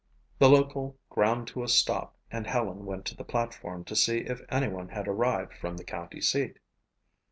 The local ground to a stop and Helen went to the platform to see if anyone had arrived from the county seat.